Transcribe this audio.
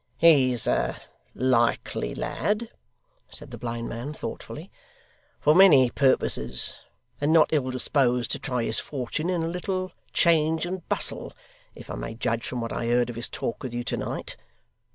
'He is a likely lad,' said the blind man, thoughtfully, 'for many purposes, and not ill disposed to try his fortune in a little change and bustle, if I may judge from what I heard of his talk with you to night.